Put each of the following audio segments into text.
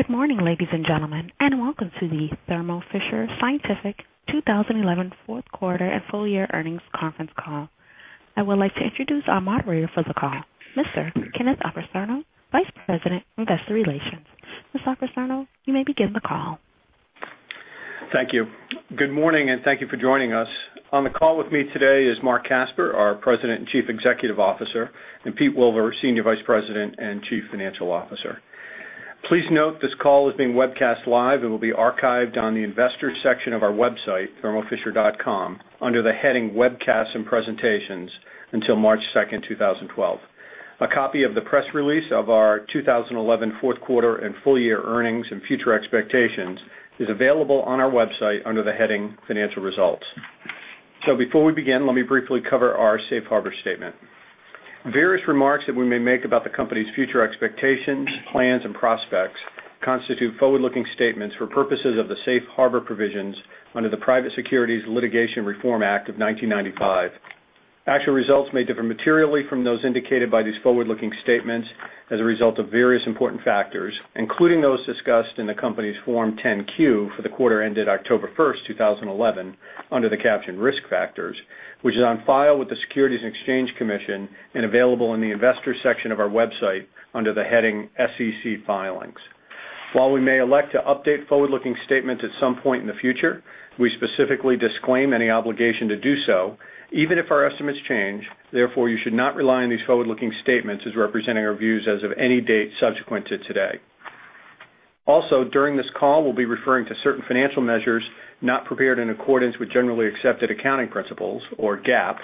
Good morning, ladies and gentlemen, and welcome to the Thermo Fisher Scientific 2011 Fourth Quarter and Full Year Earnings Conference Call. I would like to introduce our moderator for the call, Mr. Kenneth Apicerno, Vice President, Investor Relations. Mr. Apicerno, you may begin the call. Thank you. Good morning, and thank you for joining us. On the call with me today is Marc Casper, our President and Chief Executive Officer, and Peter Wilver, Senior Vice President and Chief Financial Officer. Please note this call is being webcast live and will be archived on the Investors section of our website, thermofisher.com, under the heading "Webcasts and Presentations" until March 2nd, 2012. A copy of the press release of our 2011 Fourth Quarter and Full Year Earnings and Future Expectations is available on our website under the heading "Financial Results." Before we begin, let me briefly cover our Safe Harbor Statement. Various remarks that we may make about the company's future expectations, plans, and prospects constitute forward-looking statements for purposes of the Safe Harbor Provisions under the Private Securities Litigation Reform Act of 1995. Actual results may differ materially from those indicated by these forward-looking statements as a result of various important factors, including those discussed in the company's Form 10-Q for the quarter ended October 1, 2011, under the caption "Risk Factors," which is on file with the Securities and Exchange Commission and available in the Investors section of our website under the heading "SEC Filings." While we may elect to update forward-looking statements at some point in the future, we specifically disclaim any obligation to do so, even if our estimates change. Therefore, you should not rely on these forward-looking statements as representing our views as of any date subsequent to today. Also, during this call, we will be referring to certain financial measures not prepared in accordance with generally accepted accounting principles, or GAAP.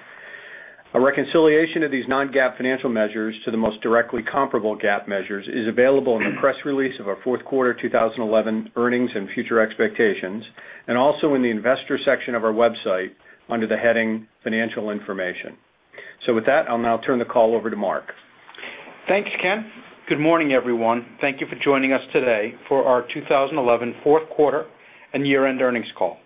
A reconciliation of these non-GAAP financial measures to the most directly comparable GAAP measures is available in the press release of our Fourth Quarter 2011 Earnings and Future Expectations, and also in the Investors section of our website under the heading "Financial Information." With that, I will now turn the call over to Marc. Thanks, Ken. Good morning, everyone. Thank you for joining us today for our 2011 Fourth Quarter and Year-End Earnings Call.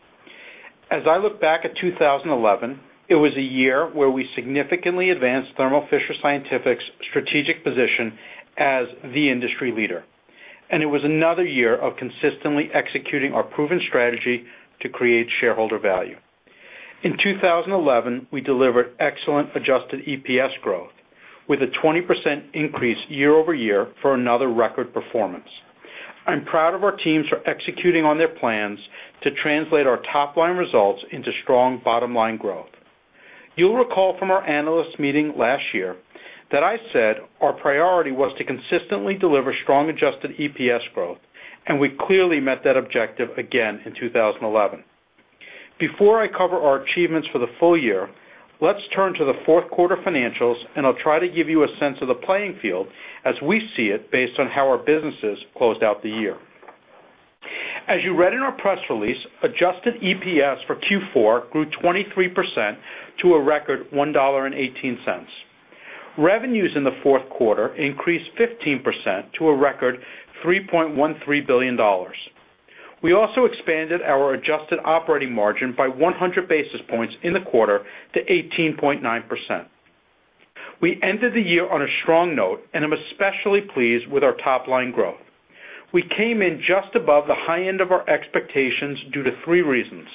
As I look back at 2011, it was a year where we significantly advanced Thermo Fisher Scientific's strategic position as the industry leader, and it was another year of consistently executing our proven strategy to create shareholder value. In 2011, we delivered excellent adjusted EPS growth, with a 20% increase year-over-year for another record performance. I am proud of our teams for executing on their plans to translate our top-line results into strong bottom-line growth. You will recall from our analyst meeting last year that I said our priority was to consistently deliver strong adjusted EPS growth, and we clearly met that objective again in 2011. Before I cover our achievements for the full year, let's turn to the Fourth Quarter financials, and I will try to give you a sense of the playing field as we see it based on how our businesses closed out the year. As you read in our press release, adjusted EPS for Q4 grew 23% to a record $1.18. Revenues in the fourth quarter increased 15% to a record $3.13 billion. We also expanded our adjusted operating margin by 100 basis points in the quarter to 18.9%. We ended the year on a strong note, and I am especially pleased with our top-line growth. We came in just above the high end of our expectations due to three reasons.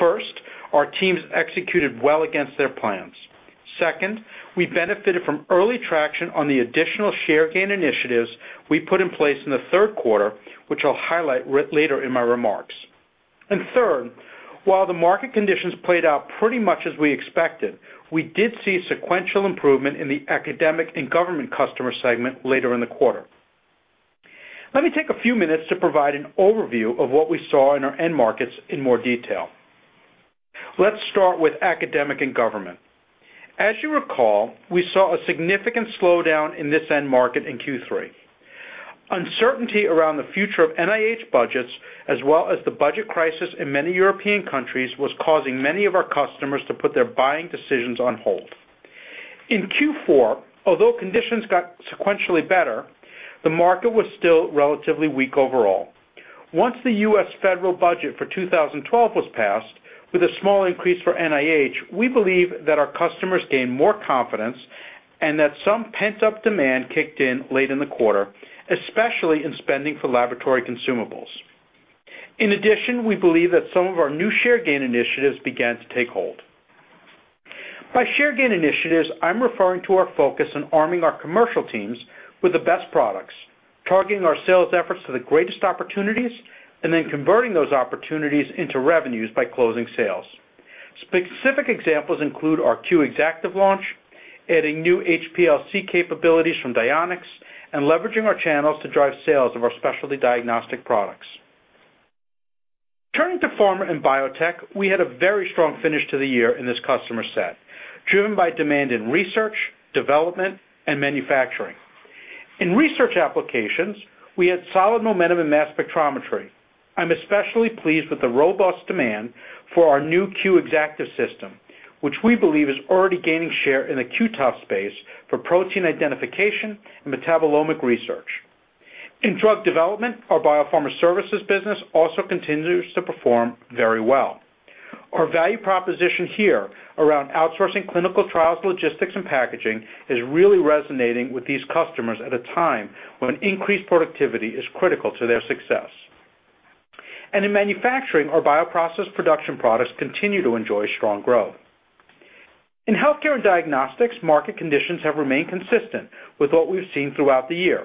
First, our teams executed well against their plans. Second, we benefited from early traction on the additional share gain initiatives we put in place in the third quarter, which I will highlight later in my remarks. Third, while the market conditions played out pretty much as we expected, we did see sequential improvement in the academic and government customer segment later in the quarter. Let me take a few minutes to provide an overview of what we saw in our end markets in more detail. Let's start with academic and government. As you recall, we saw a significant slowdown in this end market in Q3. Uncertainty around the future of NIH budgets, as well as the budget crisis in many European countries, was causing many of our customers to put their buying decisions on hold. In Q4, although conditions got sequentially better, the market was still relatively weak overall. Once the U.S. The federal budget for 2012 was passed, with a small increase for NIH. We believe that our customers gained more confidence and that some pent-up demand kicked in late in the quarter, especially in spending for laboratory consumables. In addition, we believe that some of our new share gain initiatives began to take hold. By share gain initiatives, I am referring to our focus on arming our commercial teams with the best products, targeting our sales efforts to the greatest opportunities, and then converting those opportunities into revenues by closing sales. Specific examples include our Q Exactive launch, adding new HPLC capabilities from Dionex, and leveraging our channels to drive sales of our specialty diagnostic products. Turning to pharma and biotech, we had a very strong finish to the year in this customer set, driven by demand in research, development, and manufacturing. In research applications, we had solid momentum in mass spectrometry. I am especially pleased with the robust demand for our new Q Exactive system, which we believe is already gaining share in the Q-TOF space for protein identification and metabolomic research. In drug development, our biopharma services business also continues to perform very well. Our value proposition here around outsourcing clinical trials, logistics, and packaging is really resonating with these customers at a time when increased productivity is critical to their success. In manufacturing, our bioprocess production products continue to enjoy strong growth. In healthcare and diagnostics, market conditions have remained consistent with what we have seen throughout the year.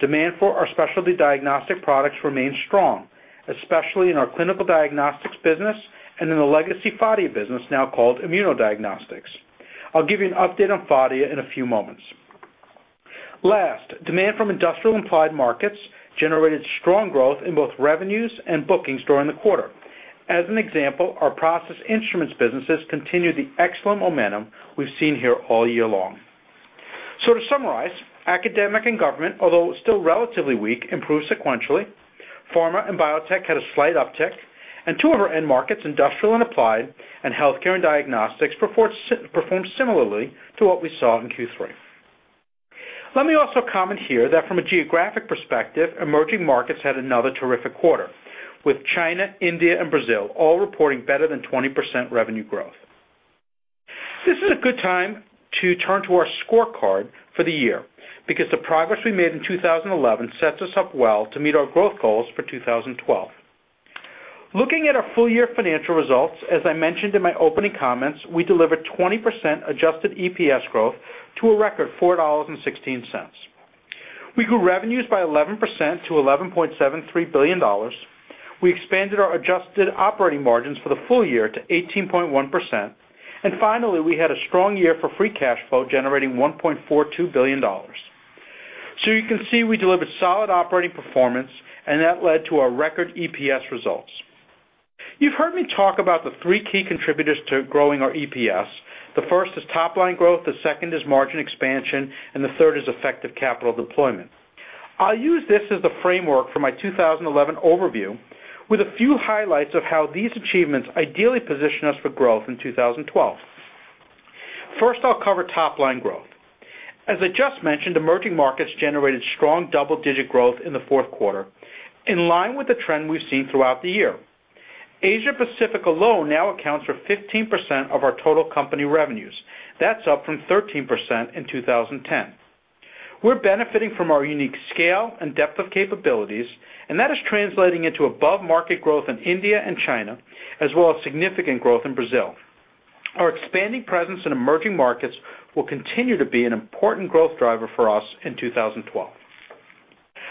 Demand for our specialty diagnostic products remains strong, especially in our clinical diagnostics business and in the legacy Phadia business now called Immunodiagnostics. I will give you an update on Phadia in a few moments. Last, demand from industrial applied markets generated strong growth in both revenues and bookings during the quarter. As an example, our process instruments businesses continued the excellent momentum we have seen here all year long. To summarize, academic and government, although still relatively weak, improved sequentially. Pharma and biotech had a slight uptick, and two of our end markets, industrial and applied, and healthcare and diagnostics, performed similarly to what we saw in Q3. Let me also comment here that from a geographic perspective, emerging markets had another terrific quarter, with China, India, and Brazil all reporting better than 20% revenue growth. This is a good time to turn to our scorecard for the year because the progress we made in 2011 sets us up well to meet our growth goals for 2012. Looking at our full-year financial results, as I mentioned in my opening comments, we delivered 20% adjusted EPS growth to a record $4.16. We grew revenues by 11% to $11.73 billion. We expanded our adjusted operating margins for the full year to 18.1%, and finally, we had a strong year for free cash flow, generating $1.42 billion. You can see we delivered solid operating performance, and that led to our record EPS results. You have heard me talk about the three key contributors to growing our EPS. The first is top-line growth, the second is margin expansion, and the third is effective capital deployment. I will use this as the framework for my 2011 overview, with a few highlights of how these achievements ideally position us for growth in 2012. First, I will cover top-line growth. As I just mentioned, emerging markets generated strong double-digit growth in the fourth quarter, in line with the trend we have seen throughout the year. Asia-Pacific alone now accounts for 15% of our total company revenues. That is up from 13% in 2010. We are benefiting from our unique scale and depth of capabilities, and that is translating into above-market growth in India and China, as well as significant growth in Brazil. Our expanding presence in emerging markets will continue to be an important growth driver for us in 2012.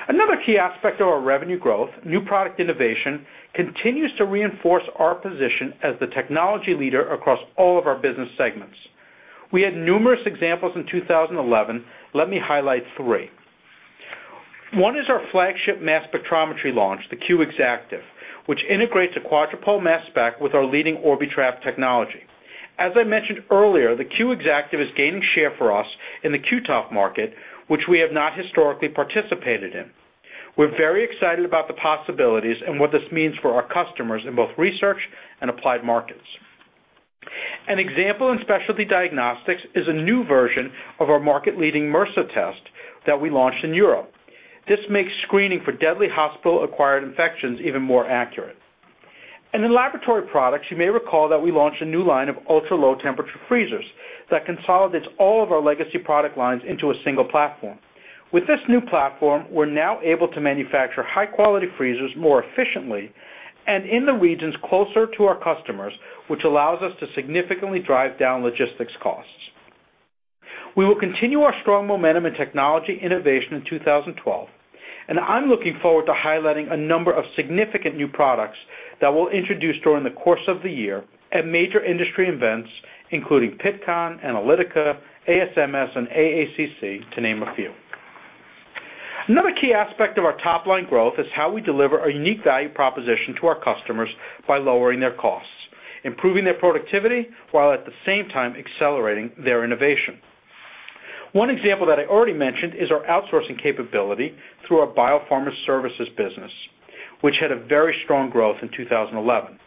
Another key aspect of our revenue growth, new product innovation, continues to reinforce our position as the technology leader across all of our business segments. We had numerous examples in 2011. Let me highlight three. One is our flagship mass spectrometry launch, the Q Exactive, which integrates a quadrupole mass spec with our leading Orbitrap technology. As I mentioned earlier, the Q Exactive is gaining share for us in the Q-TOF market, which we have not historically participated in. We are very excited about the possibilities and what this means for our customers in both research and applied markets. An example in specialty diagnostics is a new version of our market-leading MRSA test that we launched in Europe. This makes screening for deadly hospital-acquired infections even more accurate. In laboratory products, you may recall that we launched a new line of ultra-low-temperature freezers that consolidates all of our legacy product lines into a single platform. With this new platform, we are now able to manufacture high-quality freezers more efficiently and in the regions closer to our customers, which allows us to significantly drive down logistics costs. We will continue our strong momentum in technology innovation in 2012, and I am looking forward to highlighting a number of significant new products that we will introduce during the course of the year at major industry events, including PEPCON, ANALYTICA, ASMS, and AACC, to name a few. Another key aspect of our top-line growth is how we deliver a unique value proposition to our customers by lowering their costs, improving their productivity, while at the same time accelerating their innovation. One example that I already mentioned is our outsourcing capability through our biopharma services business, which had a very strong growth in 2011.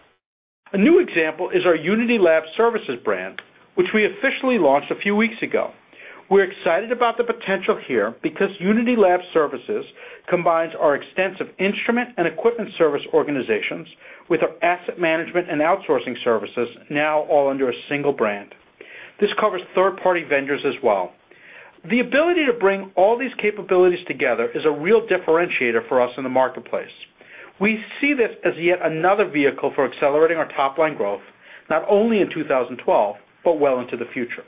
A new example is our Unity Lab Services brand, which we officially launched a few weeks ago. We are excited about the potential here because Unity Lab Services combines our extensive instrument and equipment service organizations with our asset management and outsourcing services, now all under a single brand. This covers third-party vendors as well. The ability to bring all these capabilities together is a real differentiator for us in the marketplace. We see this as yet another vehicle for accelerating our top-line growth, not only in 2012, but well into the future.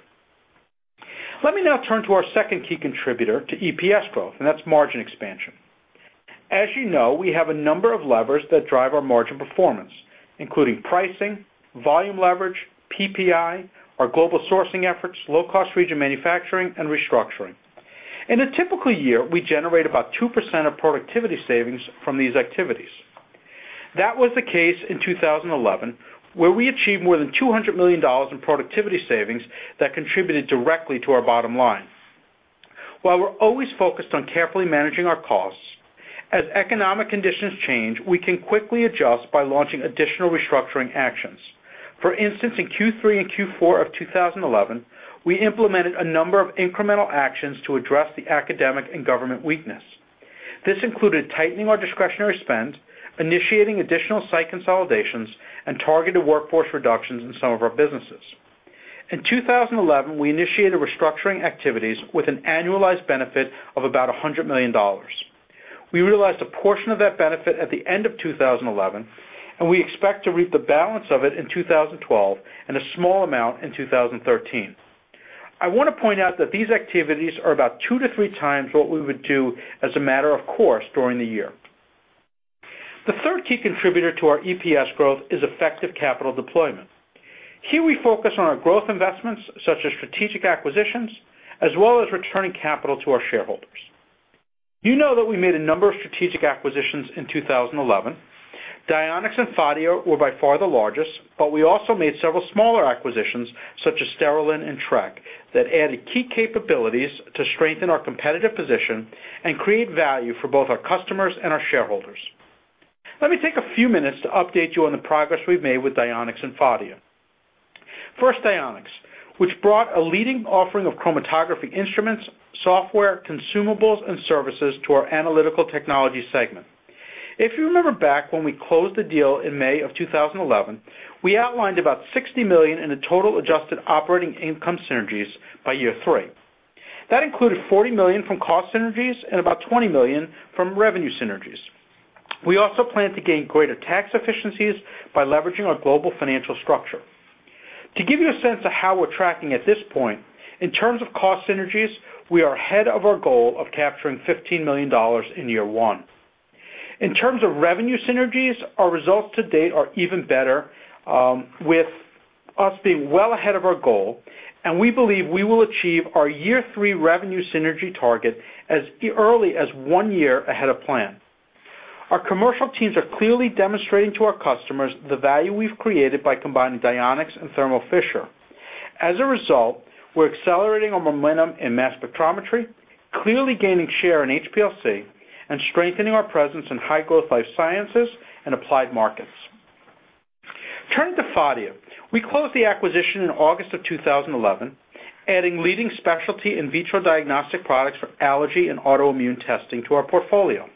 Let me now turn to our second key contributor to EPS growth, and that is margin expansion. As you know, we have a number of levers that drive our margin performance, including pricing, volume leverage, PPI, our global sourcing efforts, low-cost region manufacturing, and restructuring. In a typical year, we generate about 2% of productivity savings from these activities. That was the case in 2011, where we achieved more than $200 million in productivity savings that contributed directly to our bottom line. While we are always focused on carefully managing our costs, as economic conditions change, we can quickly adjust by launching additional restructuring actions. For instance, in Q3 and Q4 of 2011, we implemented a number of incremental actions to address the academic and government weakness. This included tightening our discretionary spend, initiating additional site consolidations, and targeted workforce reductions in some of our businesses. In 2011, we initiated restructuring activities with an annualized benefit of about $100 million. We realized a portion of that benefit at the end of 2011, and we expect to reap the balance of it in 2012 and a small amount in 2013. I want to point out that these activities are about two to three times what we would do as a matter of course during the year. The third key contributor to our EPS growth is effective capital deployment. Here we focus on our growth investments, such as strategic acquisitions, as well as returning capital to our shareholders. You know that we made a number of strategic acquisitions in 2011. Dionex and Phadia were by far the largest, but we also made several smaller acquisitions, such as Sterilin and Trek that added key capabilities to strengthen our competitive position and create value for both our customers and our shareholders. Let me take a few minutes to update you on the progress we have made with Dionex and Phadia. First, Dionex, which brought a leading offering of chromatography instruments, software, consumables, and services to our analytical technology segment. If you remember back when we closed the deal in May of 2011, we outlined about $60 million in the total adjusted operating income synergies by year three. That included $40 million from cost synergies and about $20 million from revenue synergies. We also plan to gain greater tax efficiencies by leveraging our global financial structure. To give you a sense of how we are tracking at this point, in terms of cost synergies, we are ahead of our goal of capturing $15 million in year one. In terms of revenue synergies, our results to date are even better, with us being well ahead of our goal, and we believe we will achieve our year-three revenue synergy target as early as one year ahead of plan. Our commercial teams are clearly demonstrating to our customers the value we have created by combining Dionex and Thermo Fisher Scientific. As a result, we are accelerating our momentum in mass spectrometry, clearly gaining share in HPLC, and strengthening our presence in high-growth life sciences and applied markets. Turning to Phadia, we closed the acquisition in August of 2011, adding leading specialty in vitro diagnostic products for allergy and autoimmune testing to our portfolio.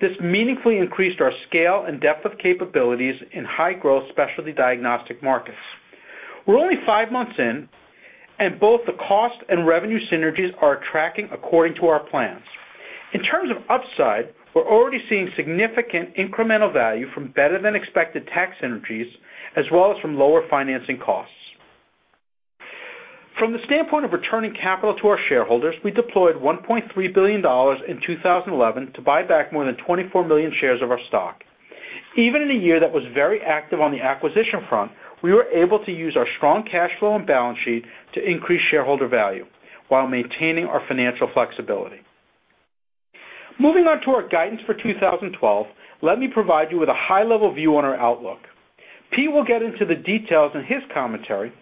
This meaningfully increased our scale and depth of capabilities in high-growth specialty diagnostic markets. We are only five months in, and both the cost and revenue synergies are tracking according to our plans. In terms of upside, we are already seeing significant incremental value from better-than-expected tax synergies, as well as from lower financing costs. From the standpoint of returning capital to our shareholders, we deployed $1.3 billion in 2011 to buy back more than 24 million shares of our stock. Even in a year that was very active on the acquisition front, we were able to use our strong cash flow and balance sheet to increase shareholder value while maintaining our financial flexibility. Moving on to our guidance for 2012, let me provide you with a high-level view on our outlook. Pete will get into the details in his commentary,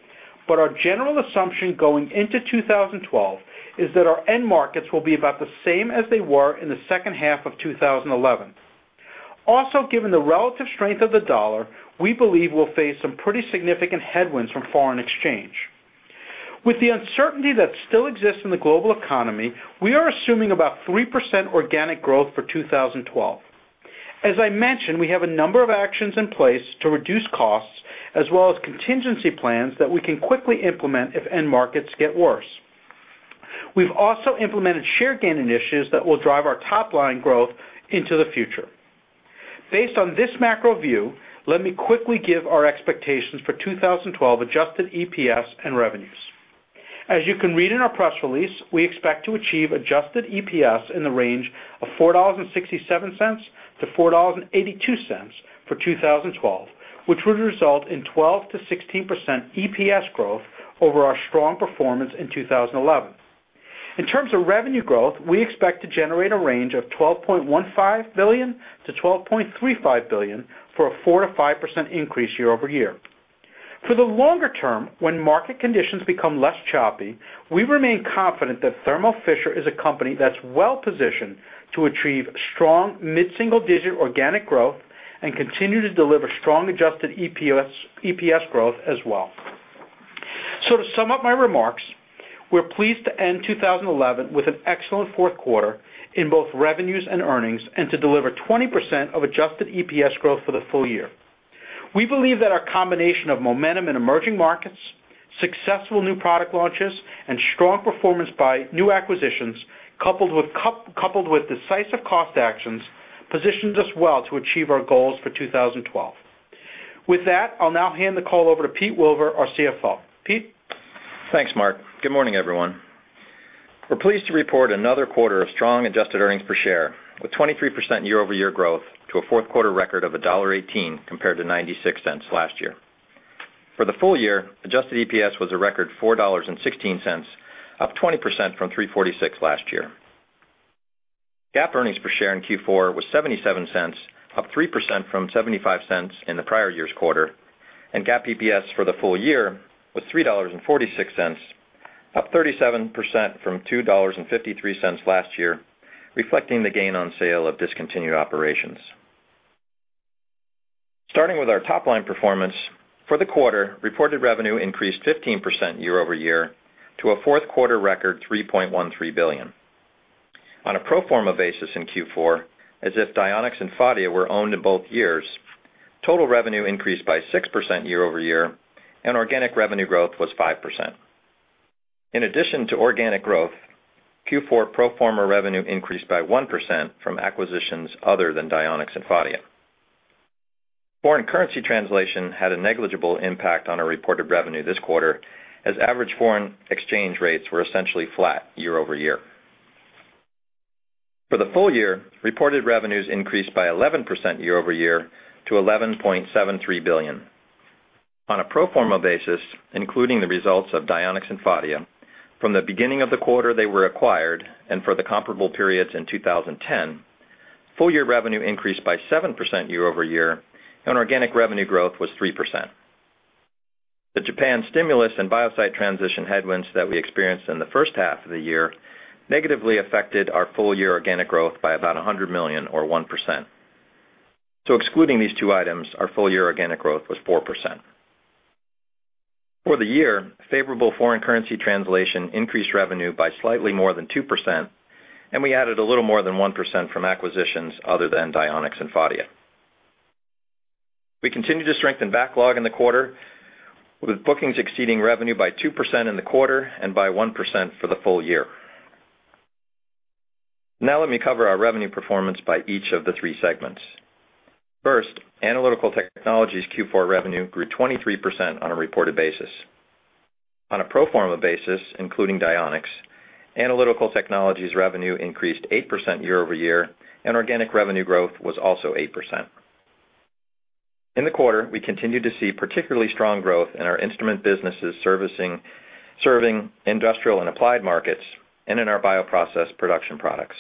but our general assumption going into 2012 is that our end markets will be about the same as they were in the second half of 2011. Also, given the relative strength of the dollar, we believe we will face some pretty significant headwinds from foreign exchange. With the uncertainty that still exists in the global economy, we are assuming about 3% organic growth for 2012. As I mentioned, we have a number of actions in place to reduce costs, as well as contingency plans that we can quickly implement if end markets get worse. We have also implemented share gain initiatives that will drive our top-line growth into the future. Based on this macro view, let me quickly give our expectations for 2012 adjusted EPS and revenues. As you can read in our press release, we expect to achieve adjusted EPS in the range of $4.67-$4.82 for 2012, which would result in 12%-16% EPS growth over our strong performance in 2011. In terms of revenue growth, we expect to generate a range of $12.15 billion-$12.35 billion for a 4%-5% increase year-over-year. For the longer term, when market conditions become less choppy, we remain confident that Thermo Fisher Scientific is a company that is well positioned to achieve strong mid-single-digit organic growth and continue to deliver strong adjusted EPS growth as well. To sum up my remarks, we are pleased to end 2011 with an excellent fourth quarter in both revenues and earnings, and to deliver 20% of adjusted EPS growth for the full year. We believe that our combination of momentum in emerging markets, successful new product launches, and strong performance by new acquisitions, coupled with decisive cost actions, positions us well to achieve our goals for 2012. With that, I will now hand the call over to Peter Wilver, our CFO. Pete. Thanks, Marc. Good morning, everyone. We are pleased to report another quarter of strong adjusted earnings per share, with 23% year-over-year growth to a fourth quarter record of $1.18 compared to $0.96 last year. For the full year, adjusted EPS was a record $4.16, up 20% from $3.46 last year. GAAP earnings per share in Q4 was $0.77, up 3% from $0.75 in the prior year's quarter, and GAAP EPS for the full year was $3.46, up 37% from $2.53 last year, reflecting the gain on sale of discontinued operations. Starting with our top-line performance, for the quarter, reported revenue increased 15% year-over-year to a fourth quarter record $3.13 billion. On a pro forma basis in Q4, as if Dionex and Phadia were owned in both years, total revenue increased by 6% year-over-year, and organic revenue growth was 5%. In addition to organic growth, Q4 pro forma revenue increased by 1% from acquisitions other than Dionex and Phadia. Foreign currency translation had a negligible impact on our reported revenue this quarter, as average foreign exchange rates were essentially flat year-over-year. For the full year, reported revenues increased by 11% year-over-year to $11.73 billion. On a pro forma basis, including the results of Dionex and Phadia from the beginning of the quarter they were acquired and for the comparable periods in 2010, full-year revenue increased by 7% year-over-year, and organic revenue growth was 3%. The Japan stimulus and biopsy transition headwinds that we experienced in the first half of the year negatively affected our full-year organic growth by about $100 million or 1%. Excluding these two items, our full-year organic growth was 4%. For the year, favorable foreign currency translation increased revenue by slightly more than 2%, and we added a little more than 1% from acquisitions other than Dionex and Phadia. We continued to strengthen backlog in the quarter, with bookings exceeding revenue by 2% in the quarter and by 1% for the full year. Now, let me cover our revenue performance by each of the three segments. First, Analytical Technologies Q4 revenue grew 23% on a reported basis. On a pro forma basis, including Dionex, Analytical Technologies revenue increased 8% year-over-year, and organic revenue growth was also 8%. In the quarter, we continued to see particularly strong growth in our instrument businesses serving industrial and applied markets and in our bioprocess production products.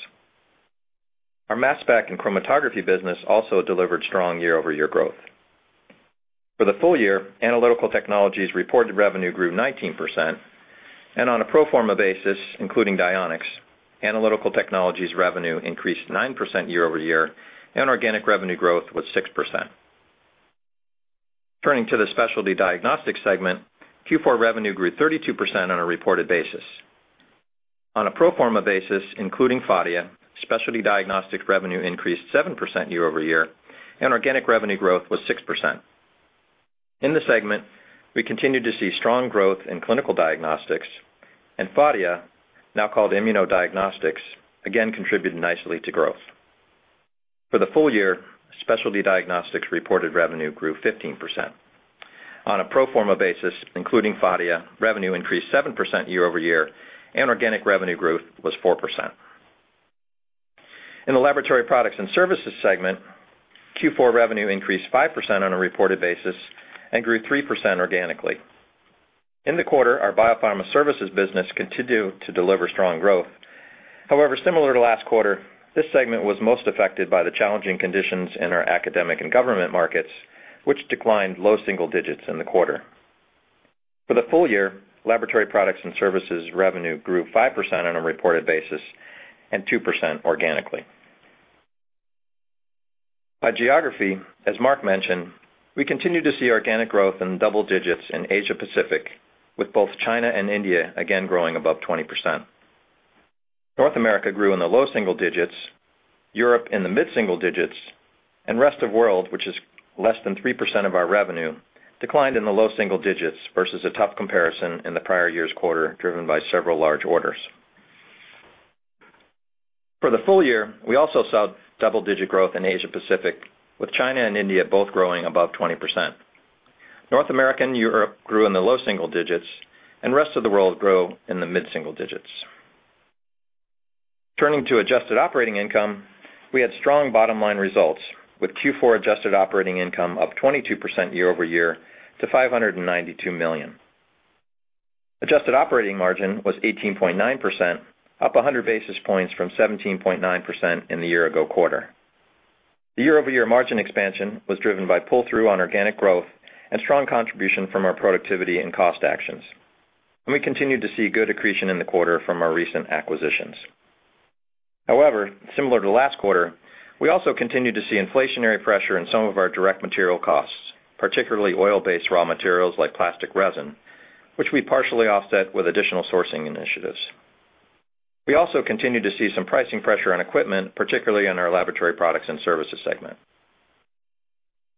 Our mass spec and chromatography business also delivered strong year-over-year growth. For the full year, Analytical Technologies reported revenue grew 19%, and on a pro forma basis, including Dionex, Analytical Technologies revenue increased 9% year-over-year, and organic revenue growth was 6%. Turning to the Specialty Diagnostics segment, Q4 revenue grew 32% on a reported basis. On a pro forma basis, including Phadia, Specialty Diagnostics revenue increased 7% year-over-year, and organic revenue growth was 6%. In the segment, we continued to see strong growth in clinical diagnostics, and Phadia, now called Immunodiagnostics, again contributed nicely to growth. For the full year, Specialty Diagnostics reported revenue grew 15%. On a pro forma basis, including Phadia, revenue increased 7% year-over-year, and organic revenue growth was 4%. In the Laboratory Products and Services segment, Q4 revenue increased 5% on a reported basis and grew 3% organically. In the quarter, our biopharma services business continued to deliver strong growth. However, similar to last quarter, this segment was most affected by the challenging conditions in our academic and government markets, which declined low single digits in the quarter. For the full year, Laboratory Products and Services revenue grew 5% on a reported basis and 2% organically. By geography, as Marc mentioned, we continued to see organic growth in double digits in Asia-Pacific, with both China and India again growing above 20%. North America grew in the low single digits, Europe in the mid-single digits, and the rest of the world, which is less than 3% of our revenue, declined in the low single digits versus a tough comparison in the prior year's quarter driven by several large orders. For the full year, we also saw double-digit growth in Asia-Pacific, with China and India both growing above 20%. North America and Europe grew in the low single digits, and the rest of the world grew in the mid-single digits. Turning to adjusted operating income, we had strong bottom-line results, with Q4 adjusted operating income up 22% year-over-year to $592 million. Adjusted operating margin was 18.9%, up 100 basis points from 17.9% in the year-ago quarter. The year-over-year margin expansion was driven by pull-through on organic growth and strong contribution from our productivity and cost actions. We continued to see good accretion in the quarter from our recent acquisitions. However, similar to last quarter, we also continued to see inflationary pressure in some of our direct material costs, particularly oil-based raw materials like plastic resin, which we partially offset with additional sourcing initiatives. We also continued to see some pricing pressure on equipment, particularly in our laboratory products and services segment.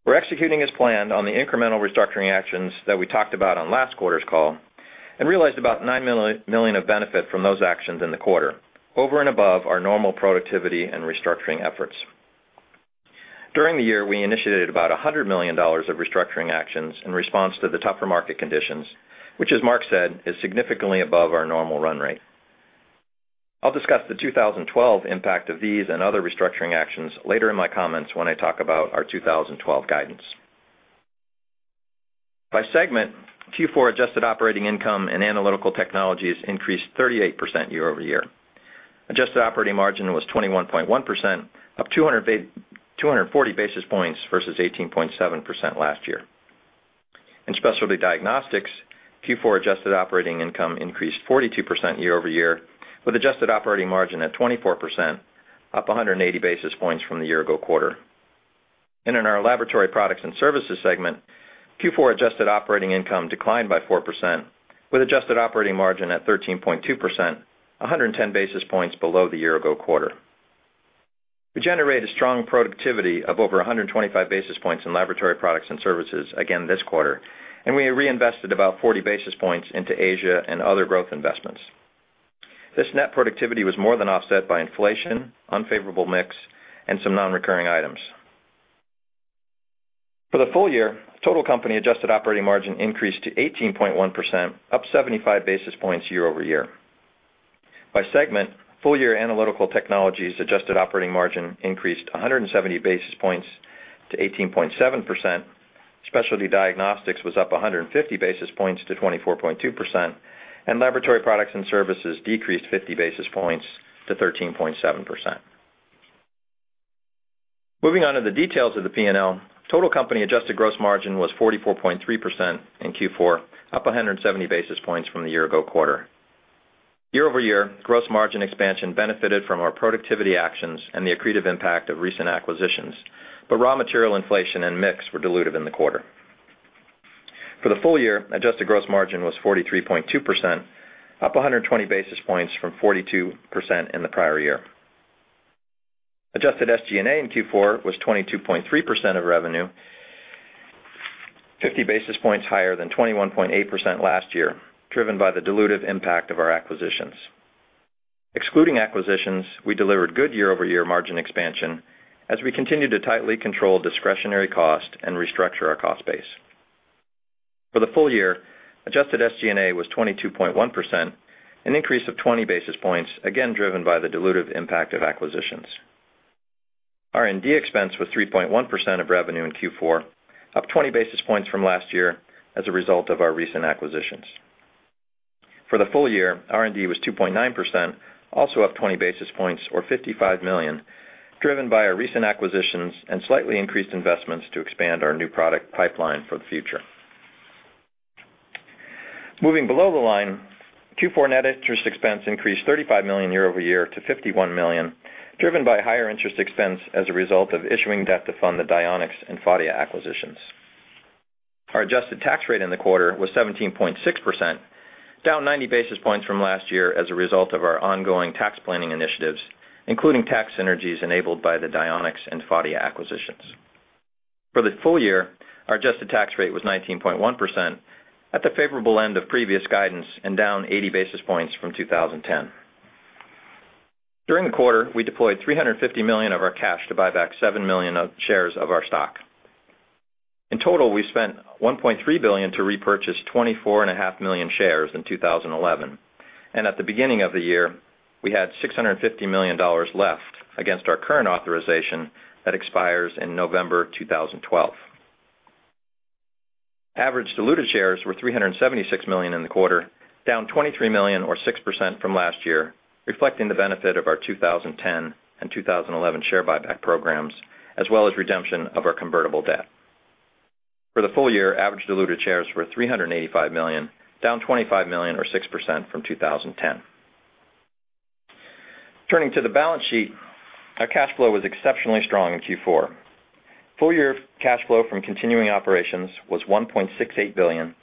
We are executing as planned on the incremental restructuring actions that we talked about on last quarter's call and realized about $9 million of benefit from those actions in the quarter, over and above our normal productivity and restructuring efforts. During the year, we initiated about $100 million of restructuring actions in response to the tougher market conditions, which, as Marc said, is significantly above our normal run rate. I will discuss the 2012 impact of these and other restructuring actions later in my comments when I talk about our 2012 guidance. By segment, Q4 adjusted operating income in analytical technologies increased 38% year-over-year. Adjusted operating margin was 21.1%, up 240 basis points versus 18.7% last year. In specialty diagnostics, Q4 adjusted operating income increased 42% year-over-year, with adjusted operating margin at 24%, up 180 basis points from the year ago quarter. In our laboratory products and services segment, Q4 adjusted operating income declined by 4%, with adjusted operating margin at 13.2%, 110 basis points below the year ago quarter. We generated a strong productivity of over 125 basis points in laboratory products and services again this quarter, and we reinvested about 40 basis points into Asia and other growth investments. This net productivity was more than offset by inflation, unfavorable mix, and some non-recurring items. For the full year, total company adjusted operating margin increased to 18.1%, up 75 basis points year-over-year. By segment, full-year analytical technologies adjusted operating margin increased 170 basis points to 18.7%, specialty diagnostics was up 150 basis points to 24.2%, and laboratory products and services decreased 50 basis points to 13.7%. Moving on to the details of the P&L, total company adjusted gross margin was 44.3% in Q4, up 170 basis points from the year ago quarter. Year-over-year, gross margin expansion benefited from our productivity actions and the accretive impact of recent acquisitions, but raw material inflation and mix were dilutive in the quarter. For the full year, adjusted gross margin was 43.2%, up 120 basis points from 42% in the prior year. Adjusted SG&A in Q4 was 22.3% of revenue, 50 basis points higher than 21.8% last year, driven by the dilutive impact of our acquisitions. Excluding acquisitions, we delivered good year-over-year margin expansion as we continued to tightly control discretionary cost and restructure our cost base. For the full year, adjusted SG&A was 22.1%, an increase of 20 basis points, again driven by the dilutive impact of acquisitions. R&D expense was 3.1% of revenue in Q4, up 20 basis points from last year as a result of our recent acquisitions. For the full year, R&D was 2.9%, also up 20 basis points or $55 million, driven by our recent acquisitions and slightly increased investments to expand our new product pipeline for the future. Moving below the line, Q4 net interest expense increased $35 million year-over-year to $51 million, driven by higher interest expense as a result of issuing debt to fund the Dionex and Phadia acquisitions. Our adjusted tax rate in the quarter was 17.6%, down 90 basis points from last year as a result of our ongoing tax planning initiatives, including tax synergies enabled by the Dionex and Phadia acquisitions. For the full year, our adjusted tax rate was 19.1%, at the favorable end of previous guidance and down 80 basis points from 2010. During the quarter, we deployed $350 million of our cash to buy back 7 million shares of our stock. In total, we spent $1.3 billion to repurchase 24.5 million shares in 2011, and at the beginning of the year, we had $650 million left against our current authorization that expires in November 2012. Average diluted shares were 376 million in the quarter, down 23 million or 6% from last year, reflecting the benefit of our 2010 and 2011 share buyback programs, as well as redemption of our convertible debt. For the full year, average diluted shares were 385 million, down 25 million or 6% from 2010. Turning to the balance sheet, our cash flow was exceptionally strong in Q4. Full-year cash flow from continuing operations was $1.68 billion,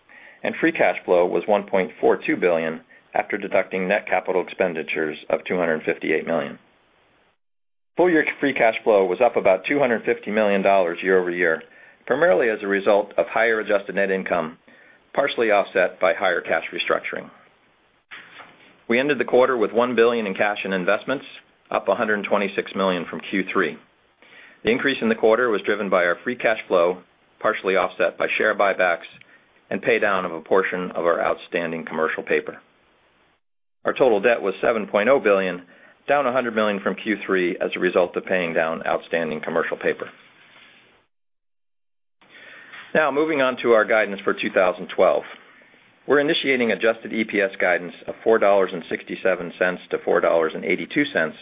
and free cash flow was $1.42 billion after deducting net capital expenditures of $258 million. Full-year free cash flow was up about $250 million year-over-year, primarily as a result of higher adjusted net income, partially offset by higher cash restructuring. We ended the quarter with $1 billion in cash and investments, up $126 million from Q3. The increase in the quarter was driven by our free cash flow, partially offset by share buybacks and paydown of a portion of our outstanding commercial paper. Our total debt was $7.0 billion, down $100 million from Q3 as a result of paying down outstanding commercial paper. Now, moving on to our guidance for 2012, we are initiating adjusted EPS guidance of $4.67-$4.82,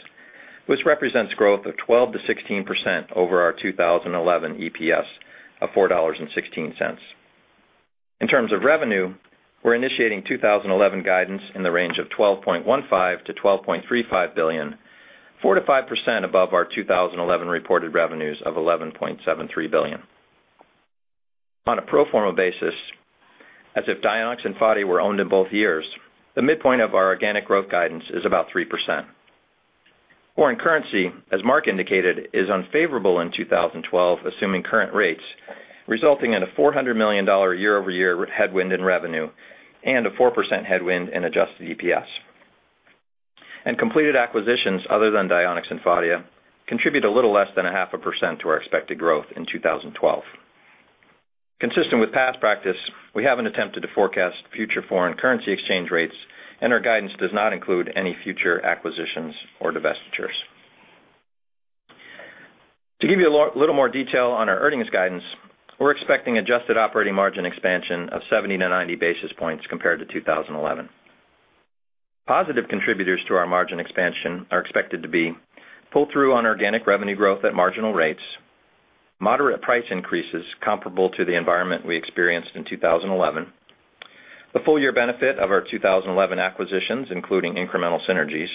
which represents growth of 12%-6% over our 2011 EPS of $4.16. In terms of revenue, we are initiating 2012 guidance in the range of $12.15 billion-$12.35 billion, 4%-5% above our 2011 reported revenues of $11.73 billion. On a pro forma basis, as if Dionex and Phadia were owned in both years, the midpoint of our organic growth guidance is about 3%. Foreign currency, as Marc indicated, is unfavorable in 2012, assuming current rates, resulting in a $400 million year-over-year headwind in revenue and a 4% headwind in adjusted EPS. Completed acquisitions other than Dionex and Phadia contribute a little less than a half a percent to our expected growth in 2012. Consistent with past practice, we haven't attempted to forecast future foreign currency exchange rates, and our guidance does not include any future acquisitions or divestitures. To give you a little more detail on our earnings guidance, we are expecting adjusted operating margin expansion of 70-90 basis points compared to 2011. Positive contributors to our margin expansion are expected to be pull-through on organic revenue growth at marginal rates, moderate price increases comparable to the environment we experienced in 2011, the full-year benefit of our 2011 acquisitions, including incremental synergies,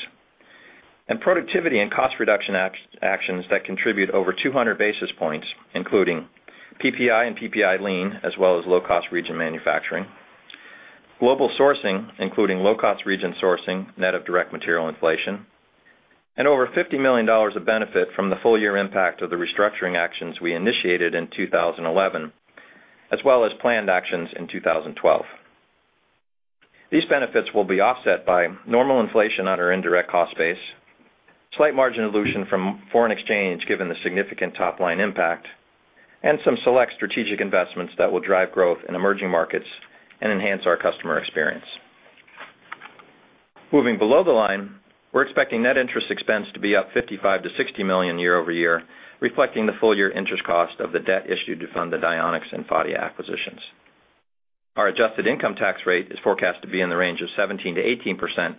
and productivity and cost reduction actions that contribute over 200 basis points, including PPI and PPI lean, as well as low-cost region manufacturing, global sourcing, including low-cost region sourcing net of direct material inflation, and over $50 million of benefit from the full-year impact of the restructuring actions we initiated in 2011, as well as planned actions in 2012. These benefits will be offset by normal inflation on our indirect cost base, slight margin dilution from foreign exchange given the significant top-line impact, and some select strategic investments that will drive growth in emerging markets and enhance our customer experience. Moving below the line, we are expecting net interest expense to be up $55 million-$60 million year-over-year, reflecting the full-year interest cost of the debt issued to fund the Dionex and Phadia acquisitions. Our adjusted income tax rate is forecast to be in the range of 17%-18%,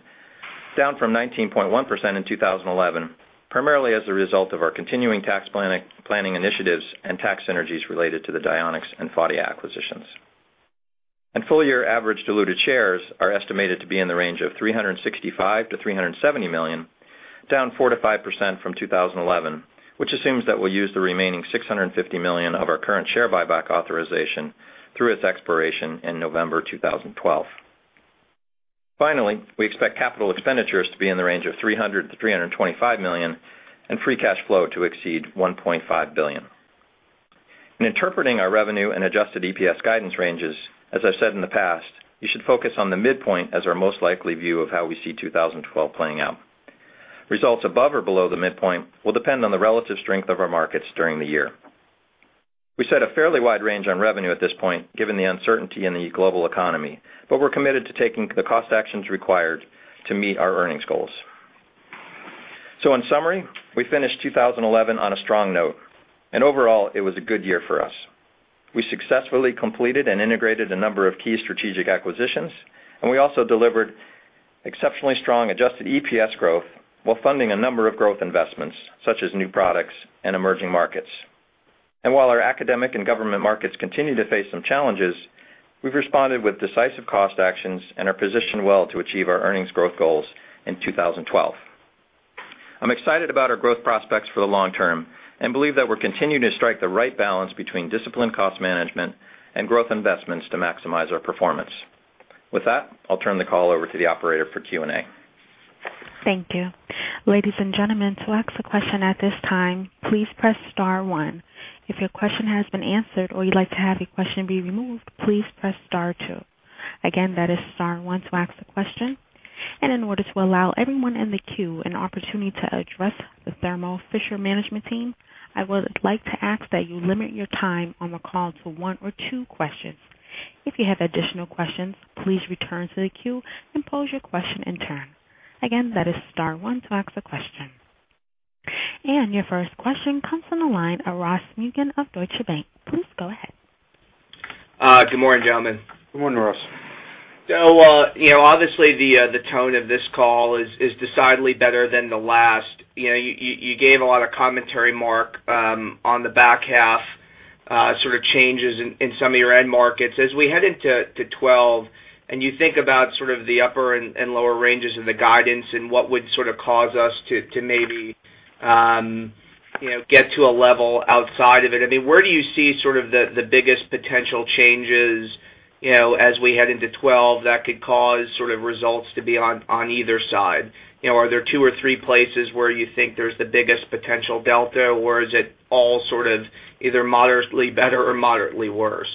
down from 19.1% in 2011, primarily as a result of our continuing tax planning initiatives and tax synergies related to the Dionex and Phadia acquisitions. Full-year average diluted shares are estimated to be in the range of 365 million-370 million, down 4% to 5% from 2011, which assumes that we will use the remaining $650 million of our current share buyback authorization through its expiration in November 2012. Finally, we expect capital expenditures to be in the range of $300 million-$325 million and free cash flow to exceed $1.5 billion. In interpreting our revenue and adjusted EPS guidance ranges, as I have said in the past, you should focus on the midpoint as our most likely view of how we see 2012 playing out. Results above or below the midpoint will depend on the relative strength of our markets during the year. We set a fairly wide range on revenue at this point, given the uncertainty in the global economy, but we are committed to taking the cost actions required to meet our earnings goals. In summary, we finished 2011 on a strong note, and overall, it was a good year for us. We successfully completed and integrated a number of key strategic acquisitions, and we also delivered exceptionally strong adjusted EPS growth while funding a number of growth investments, such as new products and emerging markets. While our academic and government markets continue to face some challenges, we have responded with decisive cost actions and are positioned well to achieve our earnings growth goals in 2012. I am excited about our growth prospects for the long term and believe that we will continue to strike the right balance between disciplined cost management and growth investments to maximize our performance. With that, I will turn the call over to the operator for Q&A. Thank you. Ladies and gentlemen, to ask a question at this time, please press star one. If your question has been answered or you would like to have your question be removed, please press star two. Again, that is star one to ask a question. In order to allow everyone in the queue an opportunity to address the Thermo Fisher Management team, I would like to ask that you limit your time on the call to one or two questions. If you have additional questions, please return to the queue and pose your question in turn. Again, that is star one to ask a question. Your first question comes from the line of Ross Muken of Deutsche Bank. Please go ahead. Good morning, gentlemen. Good morning, Ross. Obviously, the tone of this call is decidedly better than the last. You gave a lot of commentary, Marc, on the back half, sort of changes in some of your end markets. As we head into 2012 and you think about sort of the upper and lower ranges in the guidance and what would cause us to maybe get to a level outside of it, where do you see the biggest potential changes as we head into 2012 that could cause results to be on either side? Are there two or three places where you think there is the biggest potential delta, or is it all either moderately better or moderately worse?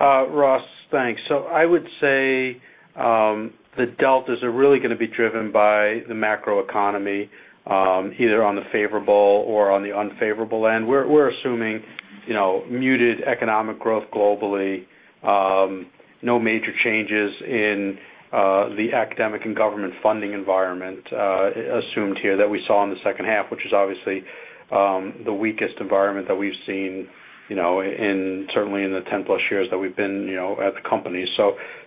Ross, thanks. I would say the deltas are really going to be driven by the macroeconomy, either on the favorable or on the unfavorable end. We are assuming, you know, muted economic growth globally, no major changes in the academic and government funding environment assumed here that we saw in the second half, which is obviously the weakest environment that we have seen, you know, certainly in the 10-plus years that we have been, you know, at the company.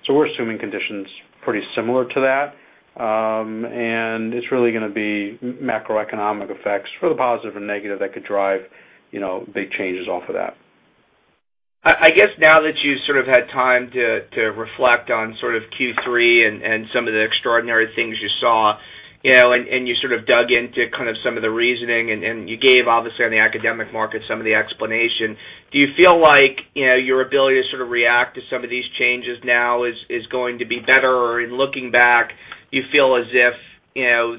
We are assuming conditions pretty similar to that, and it's really going to be macroeconomic effects for the positive and negative that could drive, you know, big changes off of that. I guess now that you had time to reflect on Q3 and some of the extraordinary things you saw, and you dug into some of the reasoning, and you gave obviously on the academic market some of the explanation, do you feel like your ability to react to some of these changes now is going to be better? In looking back, do you feel as if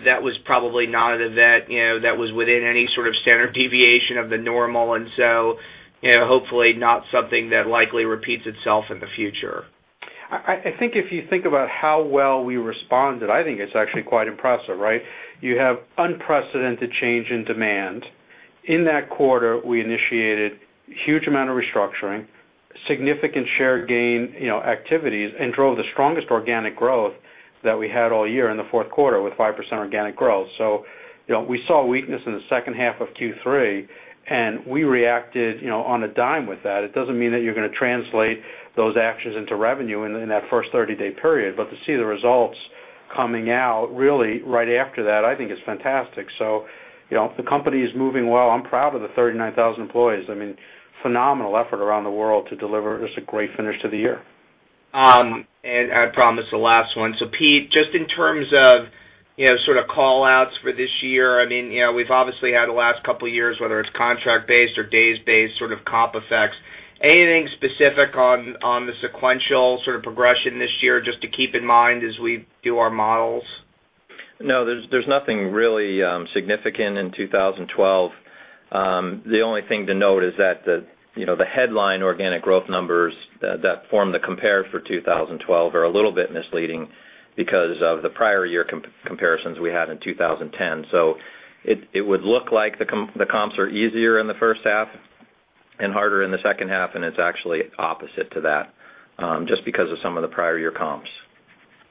that was probably not an event that was within any standard deviation of the normal, and hopefully not something that likely repeats itself in the future? I think if you think about how well we responded, it's actually quite impressive, right? You have unprecedented change in demand. In that quarter, we initiated a huge amount of restructuring, significant share gain activities, and drove the strongest organic growth that we had all year in the fourth quarter with 5% organic growth. We saw weakness in the second half of Q3, and we reacted on a dime with that. It doesn't mean that you're going to translate those actions into revenue in that first 30-day period, but to see the results coming out really right after that, I think it's fantastic. The company is moving well. I'm proud of the 39,000 employees. I mean, phenomenal effort around the world to deliver just a great finish to the year. I promise the last one. Pete, just in terms of, you know, sort of callouts for this year, I mean, you know, we have obviously had the last couple of years, whether it's contract-based or days-based sort of comp effects, anything specific on the sequential sort of progression this year just to keep in mind as we do our models? No, there's nothing really significant in 2012. The only thing to note is that the headline organic growth numbers that form the compared for 2012 are a little bit misleading because of the prior year comparisons we had in 2010. It would look like the comps are easier in the first half and harder in the second half, and it's actually opposite to that just because of some of the prior year comps.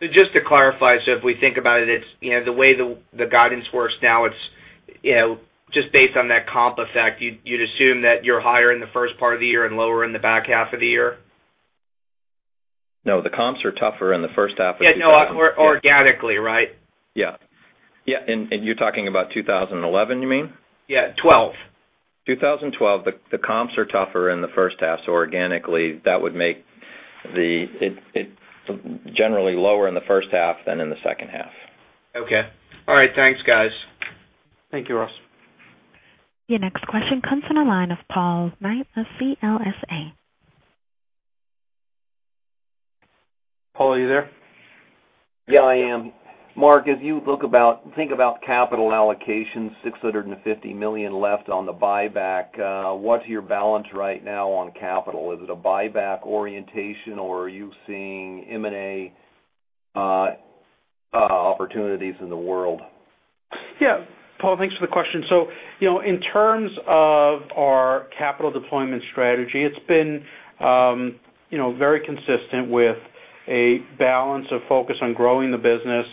Just to clarify, if we think about it, it's, you know, the way the guidance works now, it's, you know, just based on that comp effect, you'd assume that you're higher in the first part of the year and lower in the back half of the year? No, the comps are tougher in the first half of the year. Yeah, no, organically, right? Yeah, you're talking about 2011, you mean? Yeah, '12. 2012, the comps are tougher in the first half. Organically, that would make it generally lower in the first half than in the second half. Okay. All right, thanks, guys. Thank you, Ross. Your next question comes from the line of Paul Knight of CLSA. Paul, are you there? Yeah, I am. Marc, as you look about and think about the capital allocation, $650 million left on the buyback, what's your balance right now on capital? Is it a buyback orientation, or are you seeing M&A opportunities in the world? Yeah, Paul, thanks for the question. In terms of our capital deployment strategy, it's been very consistent with a balance of focus on growing the business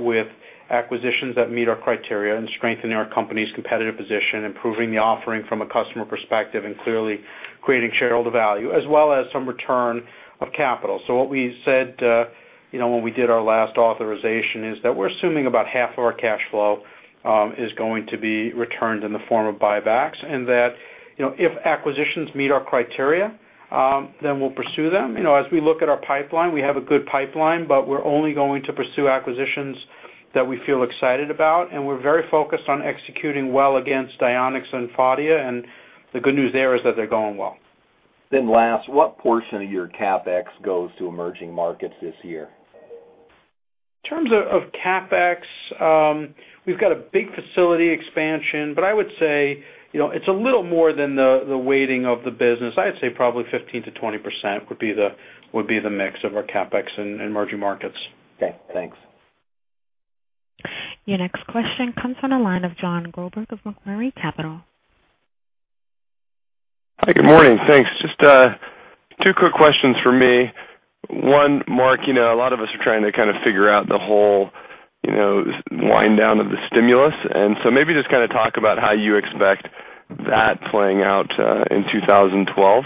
with acquisitions that meet our criteria and strengthening our company's competitive position, improving the offering from a customer perspective, and clearly creating shareholder value, as well as some return of capital. What we said when we did our last authorization is that we are assuming about half of our cash flow is going to be returned in the form of buybacks and that if acquisitions meet our criteria, then we will pursue them. As we look at our pipeline, we have a good pipeline, but we are only going to pursue acquisitions that we feel excited about, and we are very focused on executing well against Dionex and Phadia, and the good news there is that they're going well. What portion of your CapEx goes to emerging markets this year? In terms of CapEx, we have got a big facility expansion, but I would say it's a little more than the weighting of the business. I would say probably 15%-20% would be the mix of our CapEx in emerging markets. Okay, thanks. Your next question comes from the line of John Groberg of Macquarie Capital. Hi, good morning. Thanks. Just two quick questions from me. One, Marc, you know, a lot of us are trying to kind of figure out the whole, you know, wind down of the stimulus, and maybe just kind of talk about how you expect that playing out in 2012.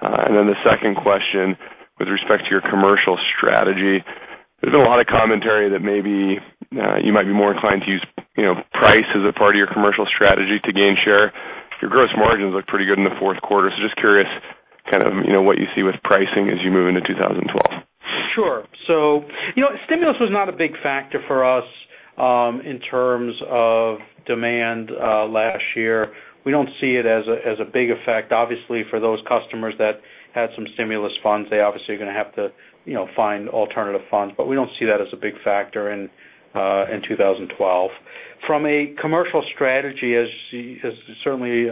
The second question with respect to your commercial strategy, there's been a lot of commentary that maybe you might be more inclined to use, you know, price as a part of your commercial strategy to gain share. Your gross margins look pretty good in the fourth quarter. Just curious kind of, you know, what you see with pricing as you move into 2012. Sure. Stimulus was not a big factor for us in terms of demand last year. We don't see it as a big effect. Obviously, for those customers that had some stimulus funds, they obviously are going to have to, you know, find alternative funds, but we don't see that as a big factor in 2012. From a commercial strategy, as you certainly,